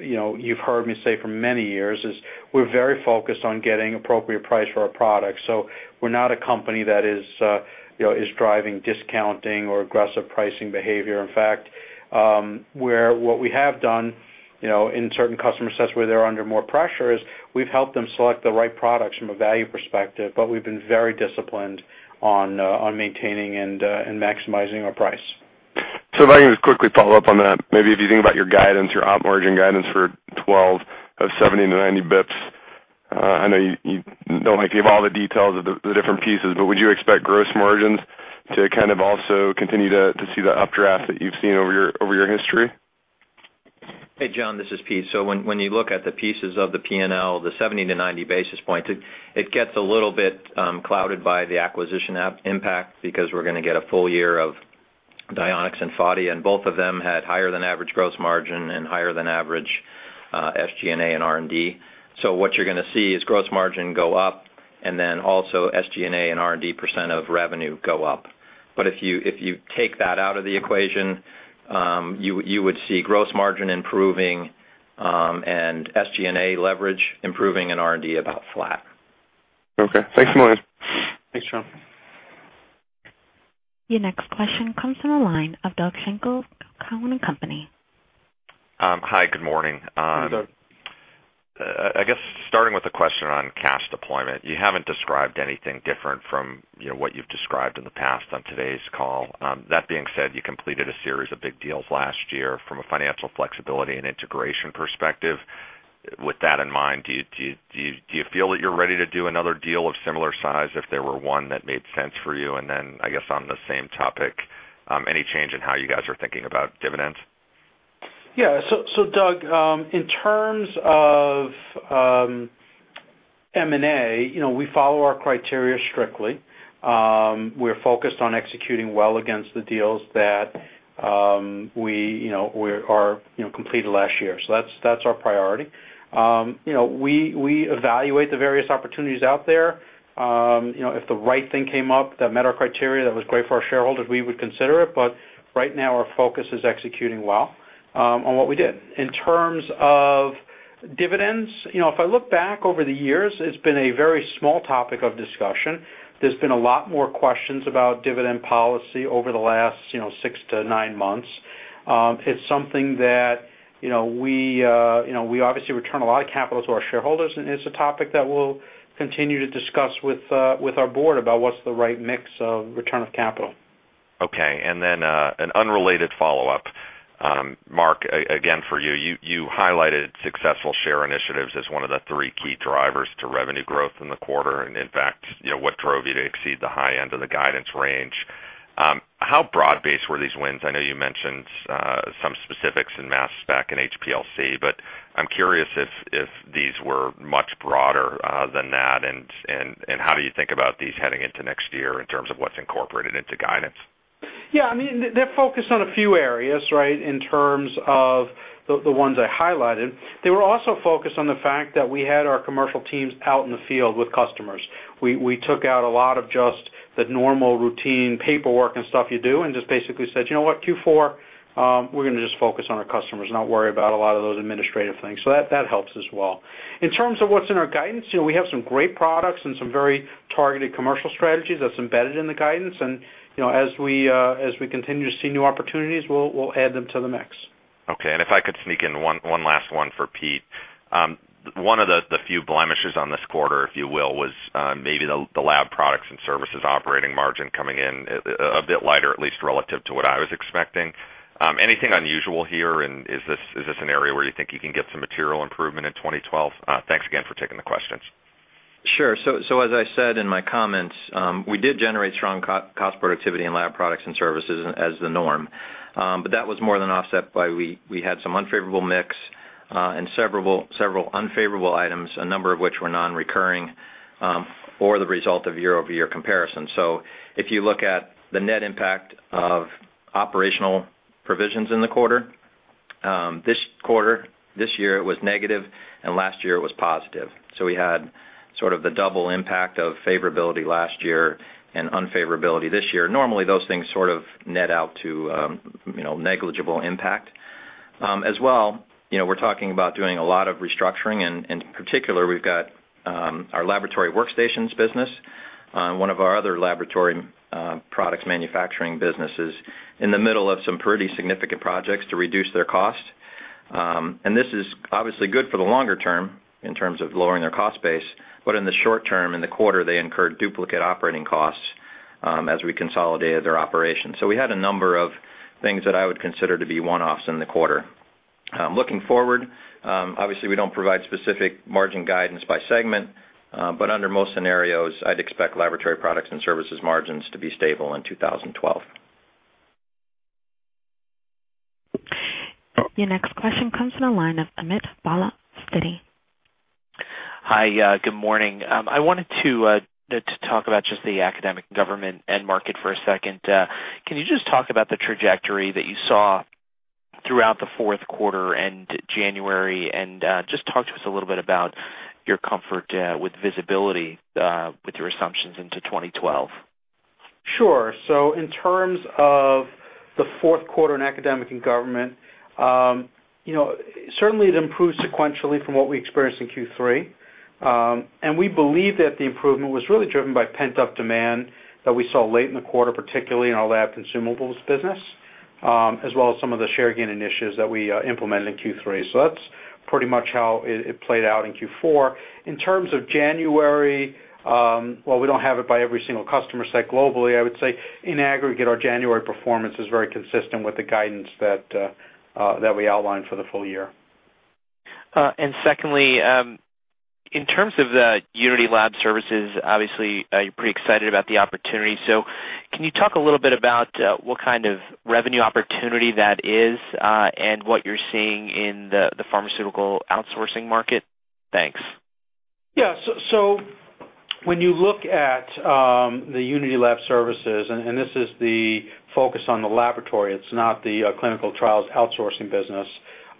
you know, you have heard me say for many years, we are very focused on getting appropriate price for our products. We are not a company that is, you know, driving discounting or aggressive pricing behavior. In fact, what we have done, you know, in certain customer sets where they're under more pressure is we have helped them select the right products from a value perspective, but we have been very disciplined on maintaining and maximizing our price. If I can just quickly follow up on that, maybe if you think about your guidance, your op margin guidance for 2012 of 70-90 basis points, I know you don't like to give all the details of the different pieces, but would you expect gross margins to kind of also continue to see the updraft that you have seen over your history? Hey, Jon, this is Pete. When you look at the pieces of the P&L, the 70-90 basis points, it gets a little bit clouded by the acquisition impact because we are going to get a full year of Dionex and Phadia, and both of them had higher than average gross margin and higher than average SG&A and R&D. What you're going to see is gross margin go up and also SG&A and R&D percent of revenue go up. If you take that out of the equation, you would see gross margin improving and SG&A leverage improving and R&D about flat. Okay, thanks for the morning. Thanks, Jon. Your next question comes from the line of Doug Schenkel of Cowen & Company. Hi, good morning. Hi, Doug. I guess starting with the question on cash deployment, you haven't described anything different from what you have described in the past on today's call. That being said, you completed a series of big deals last year from a financial flexibility and integration perspective. With that in mind, do you feel that you are ready to do another deal of similar size if there were one that made sense for you? On the same topic, any change in how you guys are thinking about dividends? Yeah, Doug, in terms of M&A, we follow our criteria strictly. We are focused on executing well against the deals that we completed last year. That's our priority. We evaluate the various opportunities out there. If the right thing came up that met our criteria that was great for our shareholders, we would consider it, but right now our focus is executing well on what we did. In terms of dividends, if I look back over the years, it's been a very small topic of discussion. There's been a lot more questions about dividend policy over the last six to nine months. It's something that we obviously return a lot of capital to our shareholders, and it's a topic that we will continue to discuss with our board about what's the right mix of return of capital. Okay, and then an unrelated follow-up, Marc, again for you, you highlighted successful share initiatives as one of the three key drivers to revenue growth in the quarter, and in fact, you know, what drove you to exceed the high end of the guidance range. How broad-based were these wins? I know you mentioned some specifics in mass spec and HPLC, but I'm curious if these were much broader than that, and how do you think about these heading into next year in terms of what's incorporated into guidance? Yeah, I mean, they're focused on a few areas, right, in terms of the ones I highlighted. They were also focused on the fact that we had our commercial teams out in the field with customers. We took out a lot of just the normal routine paperwork and stuff you do and just basically said, you know what, Q4, we are going to just focus on our customers, not worry about a lot of those administrative things. That helps as well. In terms of what's in our guidance, we have some great products and some very targeted commercial strategies that's embedded in the guidance, and, you know, as we continue to see new opportunities, we will add them to the mix. Okay, and if I could sneak in one last one for Pete, one of the few blemishes on this quarter, if you will, was maybe the lab products and services operating margin coming in a bit lighter, at least relative to what I was expecting. Anything unusual here, and is this an area where you think you can get some material improvement in 2012? Thanks again for taking the questions. Sure. As I said in my comments, we did generate strong cost productivity in lab products and services as the norm, but that was more than offset by we had some unfavorable mix and several unfavorable items, a number of which were non-recurring or the result of year-over-year comparison. If you look at the net impact of operational provisions in the quarter, this quarter, this year it was negative, and last year it was positive. We had sort of the double impact of favorability last year and unfavorability this year. Normally, those things sort of net out to, you know, negligible impact. As well, you know, we are talking about doing a lot of restructuring, and in particular, we have got our laboratory workstations business and one of our other laboratory products manufacturing businesses in the middle of some pretty significant projects to reduce their cost. This is obviously good for the longer term in terms of lowering their cost base, but in the short term, in the quarter, they incurred duplicate operating costs as we consolidated their operations. We had a number of things that I would consider to be one-offs in the quarter. Looking forward, obviously, we don't provide specific margin guidance by segment, but under most scenarios, I would expect laboratory products and services margins to be stable in 2012. Your next question comes from the line of Amit Bhalla from Citi. Hi, good morning. I wanted to talk about just the academic and government end market for a second. Can you talk about the trajectory that you saw throughout the fourth quarter and January, and talk to us a little bit about your comfort with visibility with your assumptions into 2012? Sure. In terms of the fourth quarter in academic and government, it improved sequentially from what we experienced in Q3, and we believe that the improvement was really driven by pent-up demand that we saw late in the quarter, particularly in our lab consumables business, as well as some of the share gain initiatives that we implemented in Q3. That's pretty much how it played out in Q4. In terms of January, we don't have it by every single customer set globally. I would say in aggregate, our January performance is very consistent with the guidance that we outlined for the full year. In terms of the Unity Lab Services, obviously, you are pretty excited about the opportunity. Can you talk a little bit about what kind of revenue opportunity that is and what you are seeing in the pharmaceutical outsourcing market? Thanks. Yeah, when you look at the Unity Lab Services, and this is the focus on the laboratory, it's not the clinical trials outsourcing business,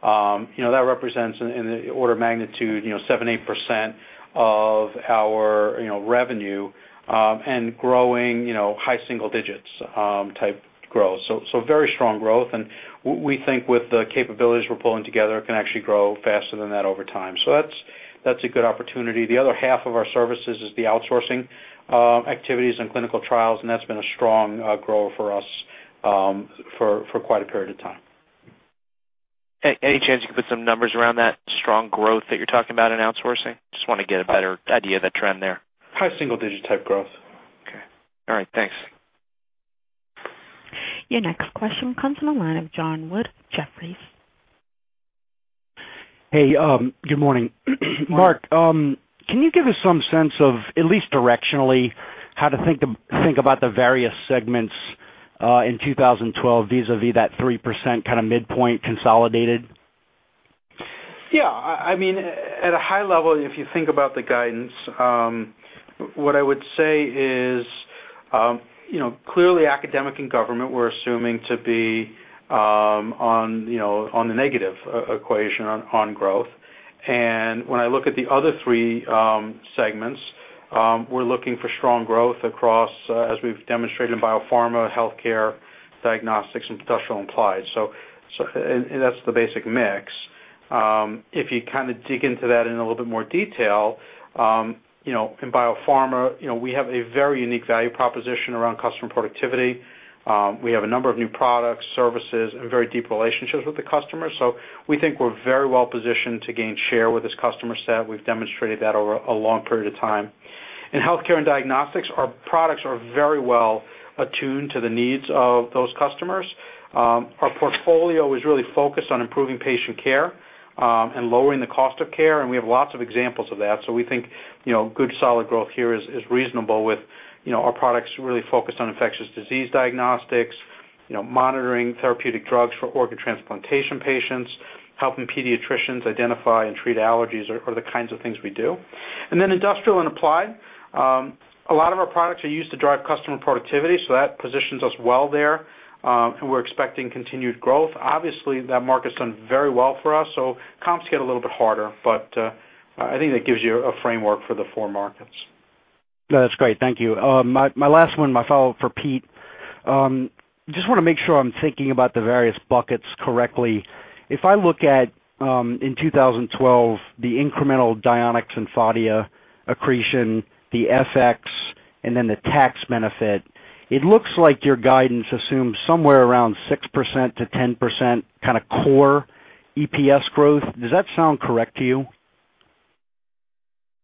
that represents in the order of magnitude, 7% to 8% of our revenue and growing, high single digits type growth. Very strong growth, and we think with the capabilities we are pulling together, it can actually grow faster than that over time. That's a good opportunity. The other half of our services is the outsourcing activities and clinical trials, and that's been a strong grower for us for quite a period of time. Any chance you could put some numbers around that strong growth that you are talking about in outsourcing? I just want to get a better idea of the trend there. High single-digit type growth. Okay, all right, thanks. Your next question comes from the line of Jon Wood, Jefferies. Hey, good morning. Marc, can you give us some sense of at least directionally how to think about the various segments in 2012 vis-à-vis that 3% kind of midpoint consolidated? Yeah, I mean, at a high level, if you think about the guidance, what I would say is, you know, clearly academic and government we are assuming to be on, you know, on the negative equation on growth. When I look at the other three segments, we are looking for strong growth across, as we have demonstrated in biopharma, healthcare, diagnostics, and industrial applied. That's the basic mix. If you kind of dig into that in a little bit more detail, in biopharma, we have a very unique value proposition around customer productivity. We have a number of new products, services, and very deep relationships with the customers. We think we are very well positioned to gain share with this customer set. We have demonstrated that over a long period of time. In healthcare and diagnostics, our products are very well attuned to the needs of those customers. Our portfolio is really focused on improving patient care and lowering the cost of care, and we have lots of examples of that. We think good solid growth here is reasonable with our products really focused on infectious disease diagnostics, monitoring, therapeutic drugs for organ transplantation patients, helping pediatricians identify and treat allergies or the kinds of things we do. Then industrial and applied, a lot of our products are used to drive customer productivity, so that positions us well there, and we are expecting continued growth. Obviously, that market has done very well for us, so comps get a little bit harder, but I think that gives you a framework for the four markets. No, that's great. Thank you. My last one, my follow-up for Pete, just want to make sure I am thinking about the various buckets correctly. If I look at in 2012 the incremental Dionex and Phadia accretion, the FX, and then the tax benefit, it looks like your guidance assumes somewhere around 6% to 10% kind of core EPS growth. Does that sound correct to you?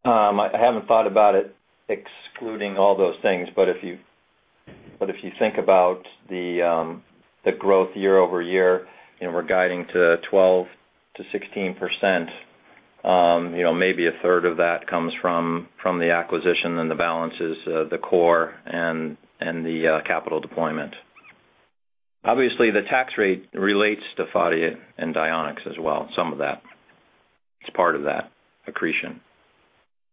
I haven't thought about it excluding all those things, but if you think about the growth year-over-year, we are guiding to 12%-16%. Maybe a third of that comes from the acquisition, and the balance is the core and the capital deployment. Obviously, the tax rate relates to Phadia and Dionex as well, some of that. It's part of that accretion.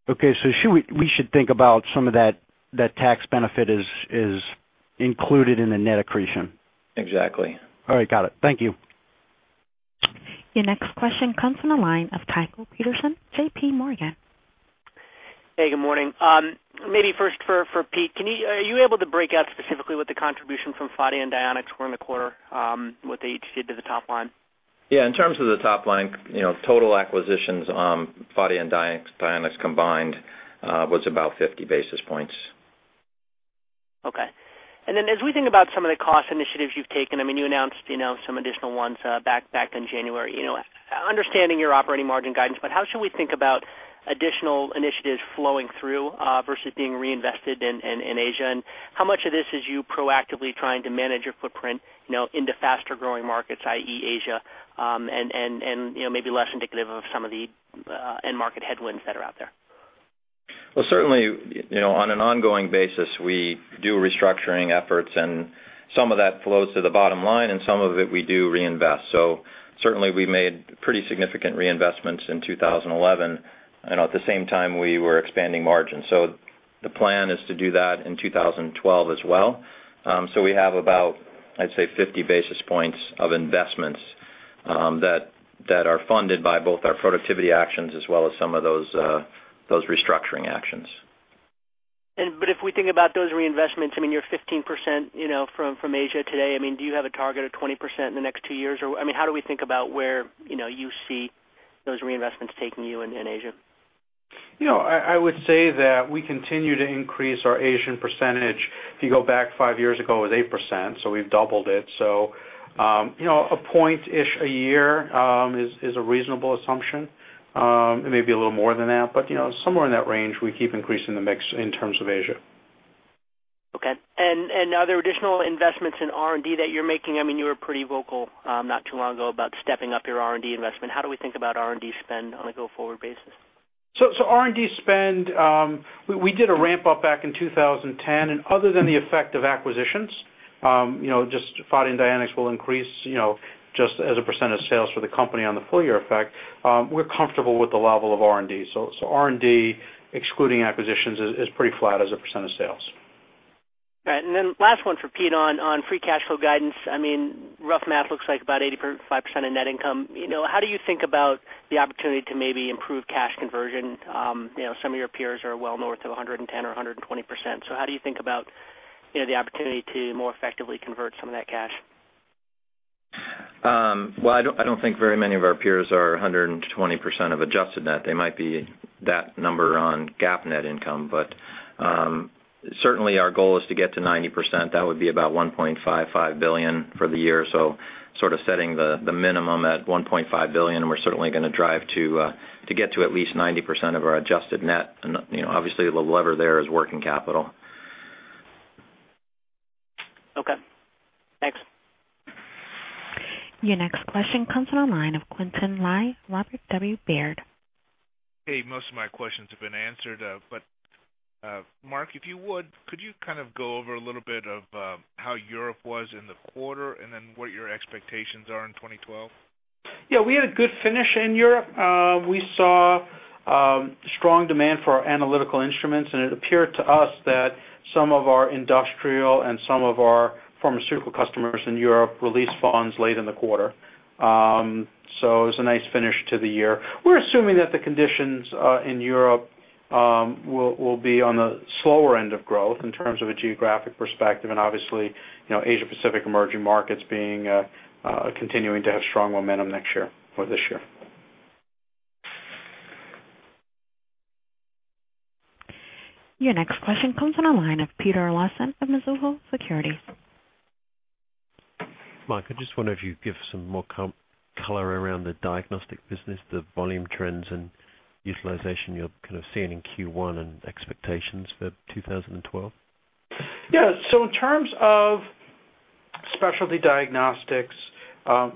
Okay, we should think about some of that tax benefit as included in the net accretion. Exactly. All right, got it. Thank you. Your next question comes from the line of Tycho Peterson, JPMorgan. Hey, good morning. Maybe first for Pete, are you able to break out specifically what the contribution from Phadia and Dionex were in the quarter with the HCA to the top line? Yeah, in terms of the top line, you know, total acquisitions on Phadia and Dionex combined was about 50 basis points. Okay. As we think about some of the cost initiatives you have taken, you announced some additional ones back in January. Understanding your operating margin guidance, how should we think about additional initiatives flowing through versus being reinvested in Asia? How much of this is you proactively trying to manage your footprint into faster growing markets, i.e., Asia, and maybe less indicative of some of the end market headwinds that are out there? Certainly, you know, on an ongoing basis, we do restructuring efforts, and some of that flows to the bottom line, and some of it we do reinvest. Certainly, we made pretty significant reinvestments in 2011. At the same time, we were expanding margins. The plan is to do that in 2012 as well. We have about, I would say, 50 basis points of investments that are funded by both our productivity actions as well as some of those restructuring actions. If we think about those reinvestments, you are at 15% from Asia today. Do you have a target of 20% in the next two years? How do we think about where you see those reinvestments taking you in Asia? I would say that we continue to increase our Asian percentage. If you go back five years ago, it was 8%, so we have doubled it. A point-ish a year is a reasonable assumption. It may be a little more than that, but somewhere in that range, we keep increasing the mix in terms of Asia. Okay. Are there additional investments in R&D that you are making? You were pretty vocal not too long ago about stepping up your R&D investment. How do we think about R&D spend on a go-forward basis? R&D spend, we did a ramp-up back in 2010, and other than the effect of acquisitions, you know, just Phadia and Dionex will increase, you know, just as 1% of sales for the company on the full-year effect, we are comfortable with the level of R&D. R&D excluding acquisitions is pretty flat as a % of sales. All right, and then last one for Pete on free cash flow guidance. Rough math looks like about 85% of net income. How do you think about the opportunity to maybe improve cash conversion? Some of your peers are well north of 110% or 120%. How do you think about the opportunity to more effectively convert some of that cash? I don't think very many of our peers are 120% of adjusted net. They might be that number on GAAP net income, but certainly, our goal is to get to 90%. That would be about $1.55 billion for the year. Sort of setting the minimum at $1.5 billion, and we are certainly going to drive to get to at least 90% of our adjusted net. You know, obviously, the lever there is working capital. Okay, thanks. Your next question comes from the line of Quintin Lai, Robert W. Baird. Hey, most of my questions have been answered, but Marc, if you would, could you kind of go over a little bit of how Europe was in the quarter, and then what your expectations are in 2012? Yeah, we had a good finish in Europe. We saw strong demand for our analytical instruments, and it appeared to us that some of our industrial and some of our pharmaceutical customers in Europe released funds late in the quarter. It was a nice finish to the year. We are assuming that the conditions in Europe will be on the slower end of growth in terms of a geographic perspective, and obviously, you know, Asia-Pacific emerging markets continuing to have strong momentum next year for this year. Your next question comes from the line of Peter Lawson of Mizuho Securities. Marc, I just wonder if you could give us some more color around the diagnostic business, the volume trends, and utilization you are kind of seeing in Q1 and expectations for 2012? Yeah, in terms of specialty diagnostics,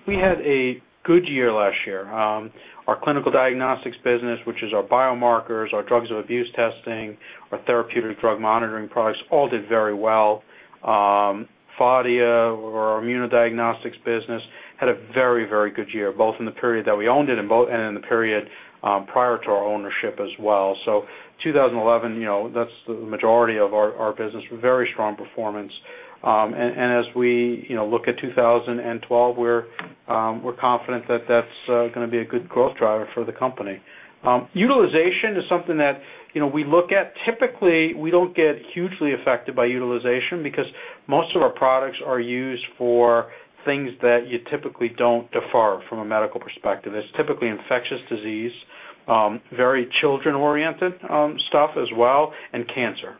we had a good year last year. Our clinical diagnostics business, which is our biomarkers, our drugs of abuse testing, our therapeutic drug monitoring products, all did very well. Phadia, our Immunodiagnostics business, had a very, very good year both in the period that we owned it and in the period prior to our ownership as well. 2011, that's the majority of our business, very strong performance. As we look at 2012, we are confident that that's going to be a good growth driver for the company. Utilization is something that we look at. Typically, we don't get hugely affected by utilization because most of our products are used for things that you typically don't defer from a medical perspective. It's typically infectious disease, very children-oriented stuff as well, and cancer.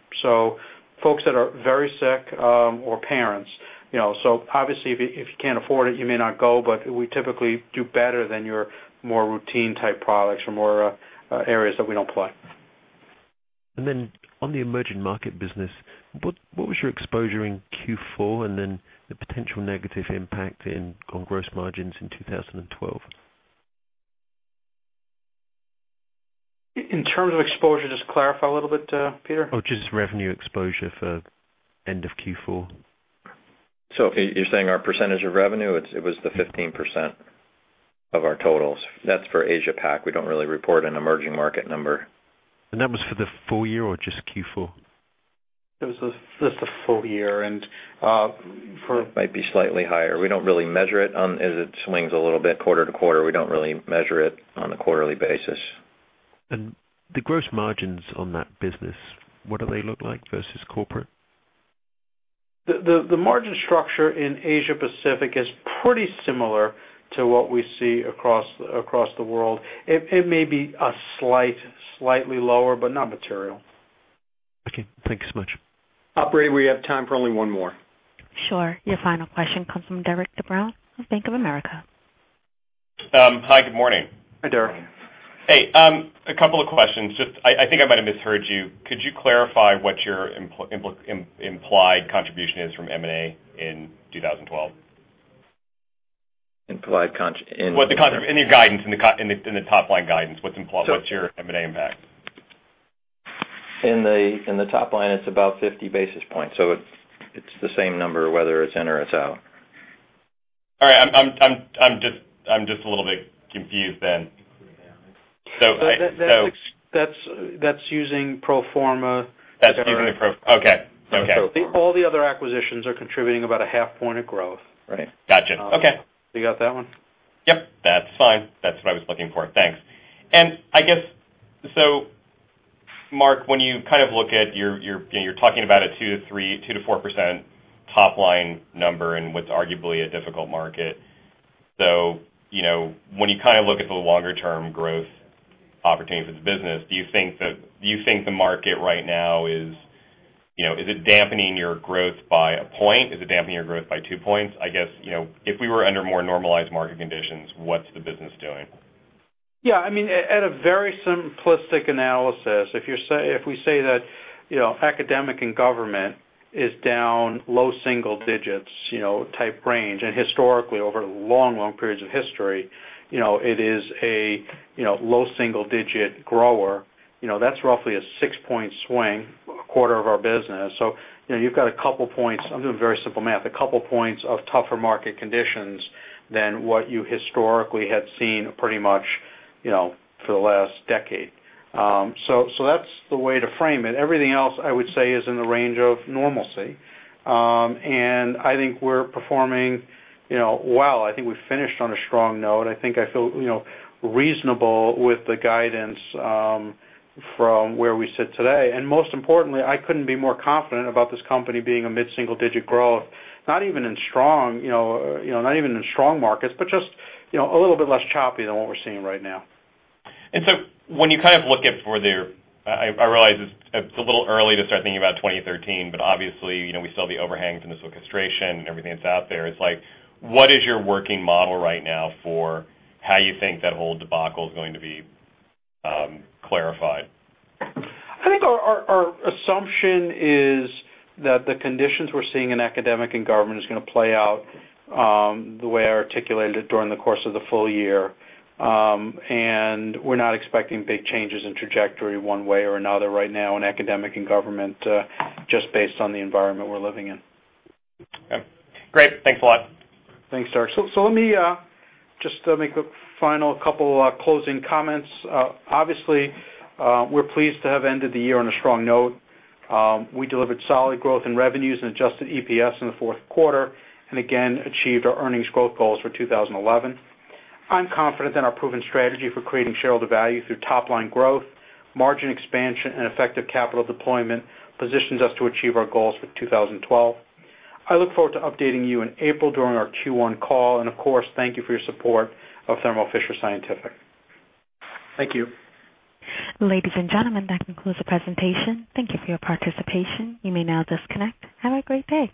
Folks that are very sick or parents, obviously, if you can't afford it, you may not go, but we typically do better than your more routine type products or more areas that we don't play. What was your exposure in Q4 on the emerging market business, and the potential negative impact on gross margins in 2012? In terms of exposure, just clarify a little bit, Peter? Just revenue exposure for end of Q4. You are saying our percentage of revenue, it was the 15% of our totals. That's for Asia-Pac. We don't really report an emerging market number. Was that for the full year or just Q4? It was just the full year, and for. Might be slightly higher. We don't really measure it, as it swings a little bit quarter to quarter. We don't really measure it on a quarterly basis. do the gross margins on that business look like versus corporate? The margin structure in Asia-Pacific is pretty similar to what we see across the world. It may be slightly lower, but not material. Okay, thanks so much. Brady, we have time for only one more. Sure. Your final question comes from Derek de Vries of Bank of America. Hi, good morning. Hi, Derek. Hey, a couple of questions. I think I might have misheard you. Could you clarify what your implied contribution is from M&A in 2012? Implied contribution? In your guidance, in the top line guidance, what's your M&A impact? In the top line, it's about 50 basis points, so it's the same number whether it's in or it's out. All right, I'm just a little bit confused then. That's using pro forma. That's using pro forma. Okay. All the other acquisitions are contributing about a half point of growth. Right, gotcha. Okay. You got that one? That's fine. That's what I was looking for. Thanks. I guess, Marc, when you kind of look at your, you know, you are talking about a 2%-3%, 2%-4% top line number in what's arguably a difficult market. When you kind of look at the longer-term growth opportunity for the business, do you think the market right now is, you know, is it dampening your growth by a point? Is it dampening your growth by two points? I guess, if we were under more normalized market conditions, what's the business doing? Yeah, I mean, at a very simplistic analysis, if you say, if we say that, you know, academic and government is down low single digits, you know, type range, and historically over long, long periods of history, you know, it is a, you know, low single digit grower, you know, that's roughly a 6-point swing quarter of our business. You have got a couple of points, I am doing very simple math, a couple of points of tougher market conditions than what you historically had seen pretty much, you know, for the last decade. That's the way to frame it. Everything else I would say is in the range of normalcy, and I think we are performing, you know, well. I think we finished on a strong note. I think I feel, you know, reasonable with the guidance from where we sit today. Most importantly, I couldn't be more confident about this company being a mid-single digit growth, not even in strong, you know, not even in strong markets, but just, you know, a little bit less choppy than what we are seeing right now. When you kind of look at where they are, I realize it's a little early to start thinking about 2013, but obviously, you know, we saw the overhangs in this orchestration and everything that's out there. What is your working model right now for how you think that whole debacle is going to be clarified? I think our assumption is that the conditions we are seeing in academic and government are going to play out the way I articulated it during the course of the full year, and we are not expecting big changes in trajectory one way or another right now in academic and government just based on the environment we are living in. Okay, great. Thanks a lot. Thanks, Doug. Let me just make a final couple closing comments. Obviously, we are pleased to have ended the year on a strong note. We delivered solid growth in revenues and adjusted EPS in the fourth quarter and again achieved our earnings growth goals for 2011. I am confident that our proven strategy for creating shareholder value through top line growth, margin expansion, and effective capital deployment positions us to achieve our goals for 2012. I look forward to updating you in April during our Q1 call, and of course, thank you for your support of Thermo Fisher Scientific. Thank you. Ladies and gentlemen, that concludes the presentation. Thank you for your participation. You may now disconnect. Have a great day.